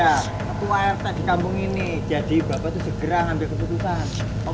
itu rt di kampung ini jadi bapak itu segera ambil keputusan